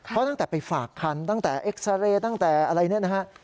เพราะตั้งแต่ไปฝากคันตั้งแต่เอ็กซาเรย์ตั้งแต่อะไรเนี่ยนะฮะ